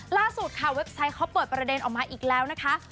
ล่าสุดค่ะเว็บไซต์เขาเปิดประเด็นออกมาอีกแล้วนะคะ